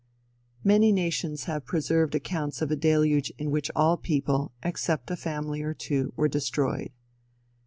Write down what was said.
Many nations have preserved accounts of a deluge in which all people, except a family or two, were destroyed.